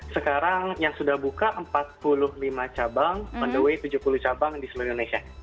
sekarang yang sudah buka empat puluh lima cabang on the way tujuh puluh cabang di seluruh indonesia